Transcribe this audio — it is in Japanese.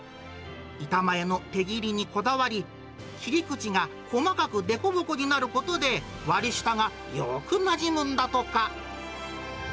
板前の手切りにこだわり、切り口が細かく凸凹になることで、割り下がよーくなじむんだとか。